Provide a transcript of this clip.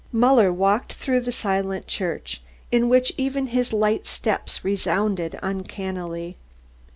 Muller walked through the silent church, in which even his light steps resounded uncannily.